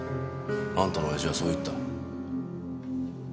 あんたの親父はそう言った。